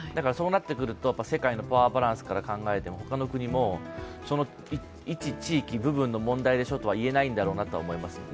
そうなってくると世界のパワーバランスから考えても他の国も、一地域、部分の問題でしょうとは言えないんだと思います。